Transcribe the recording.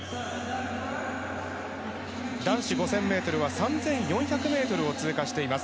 男子５０００ｍは３４００を通過しています。